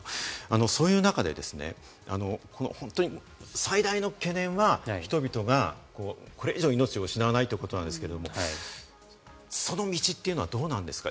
そういう中で、最大の懸念は人々がこれ以上、命を失わないということですけれども、その道というのはどうなんですか？